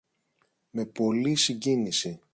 με πολλή συγκίνηση